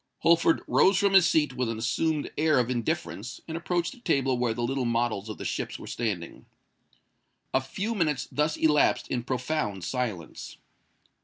Holford rose from his seat with an assumed air of indifference, and approached the table where the little models of the ships were standing. A few minutes thus elapsed in profound silence.